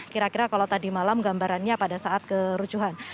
kira kira kalau tadi malam gambarannya pada saat kerucuhan